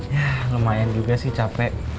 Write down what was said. ya lumayan juga sih capek